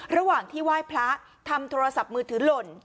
ระหว่างที่ไหว้พระทำโทรศัพท์มือถือหล่น